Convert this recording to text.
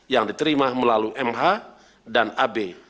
yang diterima melalui mh dan ab